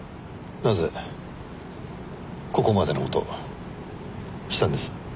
なぜここまでの事をしたんです？